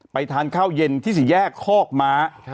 ทานข้าวเย็นที่สี่แยกคอกม้า